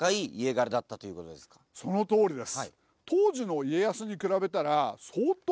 そのとおりです。